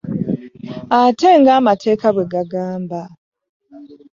Ate ng'amateeka bwe gagamba.